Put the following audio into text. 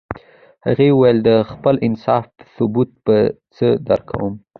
هغې ویل د خپل انصاف ثبوت به څه درکوم